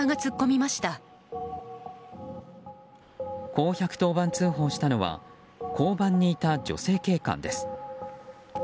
こう１１０番通報したのは交番にいた女性警官です。